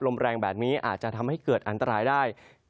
ลมแรงแบบนี้อาจจะทำให้เกิดอันตรายได้